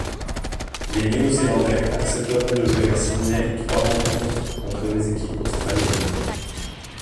Les néo-zélandais accepteront de jouer à Sydney trois rencontres contre des équipes australiennes.